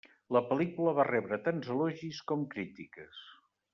La pel·lícula va rebre tant elogis com crítiques.